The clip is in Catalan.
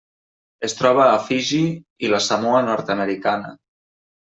Es troba a Fiji i la Samoa Nord-americana.